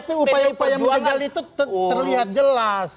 tapi upaya upaya menjegal itu terlihat jelas